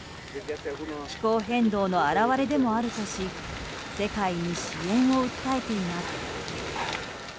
気候変動の表れでもあるとし世界に支援を訴えています。